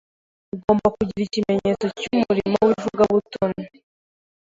Ugomba kugira ikimenyetso cy’umurimo w’ivugabutumwa